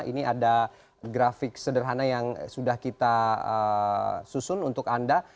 ini ada grafik sederhana yang sudah kita susun untuk anda